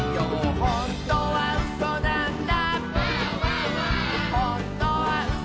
「ほんとにうそなんだ」